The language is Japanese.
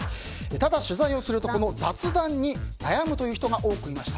ただ、取材をするとこの雑談に悩むという人が多くいました。